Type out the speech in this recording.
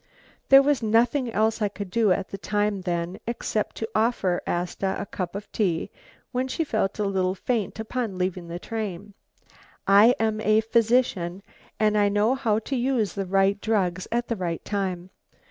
There was nothing else I could do at that time then, except to offer Asta a cup of tea when she felt a little faint upon leaving the train. I am a physician and I know how to use the right drugs at the right time.